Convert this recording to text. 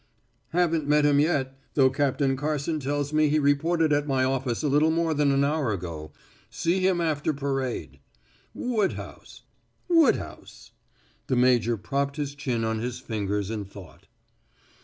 "Haven't met him yet, though Captain Carson tells me he reported at my office a little more than an hour ago see him after parade. Woodhouse Woodhouse " The major propped his chin on his fingers in thought.